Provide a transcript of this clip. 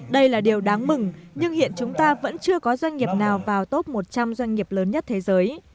đây là điều đáng mừng nhưng hiện chúng ta vẫn chưa có doanh nghiệp nào vào top một trăm linh doanh nghiệp lớn nhất thế giới